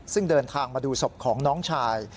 ซึ่งเดินทางมาดูศพของน้องชาย